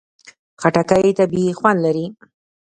خټکی طبیعي خوند لري.